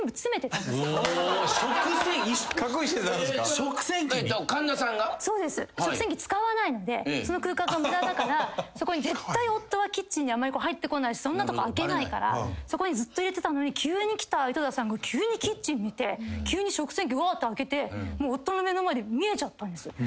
食洗機使わないのでその空間が無駄だから夫はキッチンにあまり入ってこないしそんなとこ開けないからそこにずっと入れてたのに急に来た井戸田さんが急にキッチン見て急に食洗機わって開けて夫の目の前で見えちゃったんです。